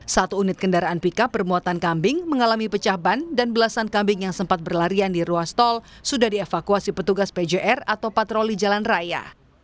satu unit kendaraan pickup bermuatan kambing mengalami pecah ban dan belasan kambing yang sempat berlarian di ruas tol sudah dievakuasi petugas pjr atau patroli jalan raya